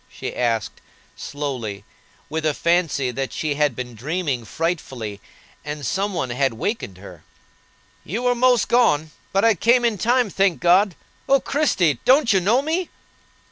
she asked, slowly, with a fancy that she had been dreaming frightfully, and some one had wakened her. "You were most gone; but I came in time, thank God! O Christie! don't you know me?"